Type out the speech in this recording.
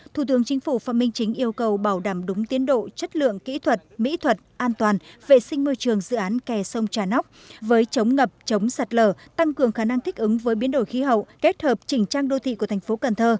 thủ tướng chính phủ phạm minh chính yêu cầu bảo đảm đúng tiến độ chất lượng kỹ thuật mỹ thuật an toàn vệ sinh môi trường dự án kè sông trà nóc với chống ngập chống sạt lở tăng cường khả năng thích ứng với biến đổi khí hậu kết hợp chỉnh trang đô thị của thành phố cần thơ